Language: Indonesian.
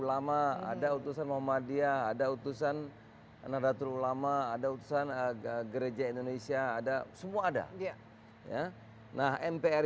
ulama ada utusan muhammadiyah ada utusan nadatul ulama ada utusan agak gereja indonesia ada semua ada ya nah mpr